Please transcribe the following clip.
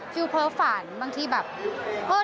ดูเพ้อฝาวนบางทีแบบ